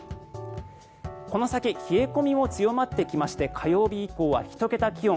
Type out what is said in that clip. この先冷え込みも強まってきまして火曜日以降は１桁気温。